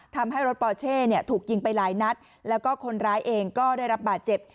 ทำให้รถปอเช่เนี่ยถูกยิงไปหลายนัดแล้วก็คนร้ายเองก็ได้รับบาดเจ็บ